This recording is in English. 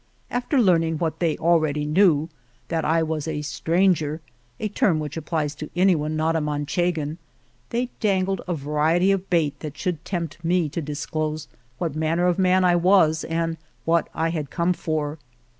After learning what they already knew, that I was a stranger (a term which applies to any one not a Manchegan) they dangled a va riety of bait that should tempt me to disclose what manner of man I was and what I had come for.